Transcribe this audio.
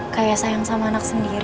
kayak sayang sama anak sendiri